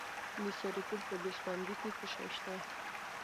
د سرپل په ګوسفندي کې څه شی شته؟